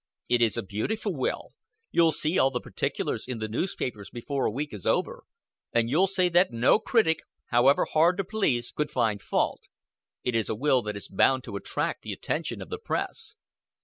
"It is a beautiful will. You'll see all the particulars in the newspapers before a week is over, and you'll say that no critic however hard to please could find fault. It is a will that is bound to attract the attention of the press."